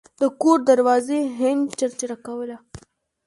د کور دروازې هینج چرچره کوله.